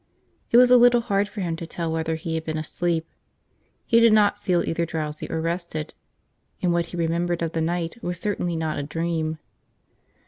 It was a little hard for him to tell whether he had been asleep. He did not feel either drowsy or rested. And what he remembered of the night was certainly not a dream.